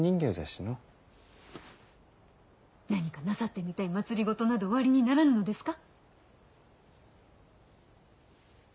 何かなさってみたい政などおありにならぬのですか？